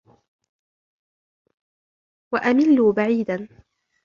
وَأَمَّلُوا بَعِيدًا